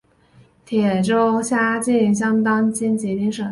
铁州辖境相当今吉林省敦化市西南大蒲柴河马圈子古城。